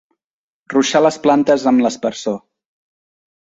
Ruixar les plantes amb l'aspersor.